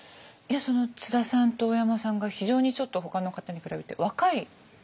その津田さんと大山さんが非常にちょっとほかの方に比べて若い印象。